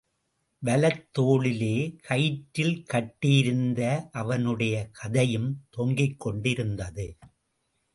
வலத் தோளிலே கயிற்றில் கட்டியிருந்த அவனுடைய கதையும் தொங்கிக்கொண்டிருந்தது.